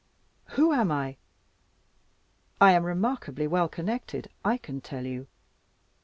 Who am I. I am remarkably well connected, I can tell you.